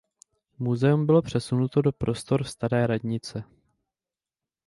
Muzeum bylo přesunuto do prostor "staré radnice".